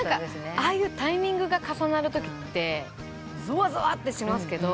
ああいうタイミングが重なるときってぞわぞわってしますけど。